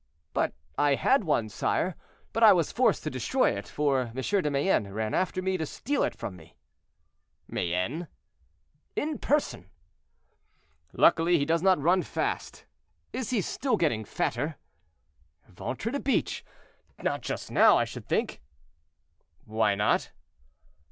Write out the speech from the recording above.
"But I had one, sire, but I was forced to destroy it, for M. de Mayenne ran after me to steal it from me." "Mayenne?" "In person." "Luckily he does not run fast. Is he still getting fatter?" "Ventre de biche! not just now, I should think." "Why not?"